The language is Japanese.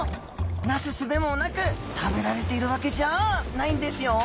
なすすべもなく食べられているワケじゃあないんですよ。